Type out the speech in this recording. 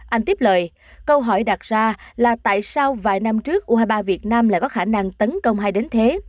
anh tiếp lời câu hỏi đặt ra là tại sao vài năm trước u hai mươi ba việt nam lại có khả năng tấn công hay đến thế